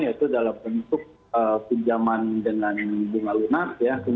yaitu dalam bentuk pinjaman dengan bunga lunak